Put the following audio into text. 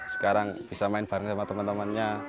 sekarang bisa main bareng sama temen temennya